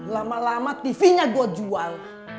lama lama tvnya gua jual